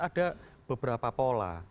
ada beberapa pola